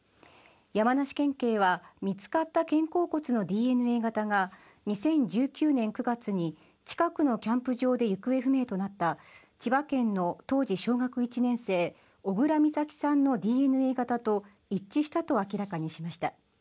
山梨県警は見つかった肩甲骨のＤＮＡ型が２０１９年９月に近くのキャンプ場で行方不明となった千葉県の当時小学１年生、小倉美咲さんのＤＮＡ型と一致したと明らかにしました。